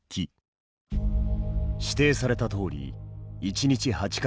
指定されたとおり１日８回